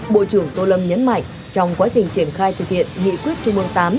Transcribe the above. bộ trưởng tô lâm nhấn mạnh trong quá trình triển khai thực hiện nghị quyết trung ương viii